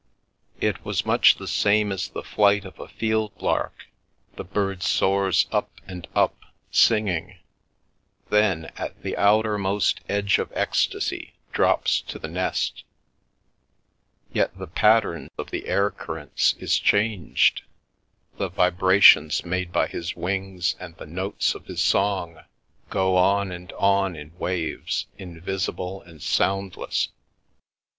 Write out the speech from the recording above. It was much the same as the flight of a field lark — the bird soars up and up, singing; then, at the outermost edge of ecstasy, drops to the nest; yet the pattern of the air currents is changed, the vibrations made by his wings and the notes of his song go on and on in waves, invisible and soundless.